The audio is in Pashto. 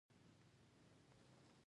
په جنایي جرم باید تورن نه وي.